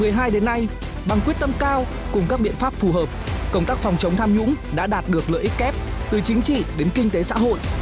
từ đầu nhiệm kỳ một mươi hai đến nay bằng quyết tâm cao cùng các biện pháp phù hợp công tác phòng chống tham nhũng đã đạt được lợi ích kép từ chính trị đến kinh tế xã hội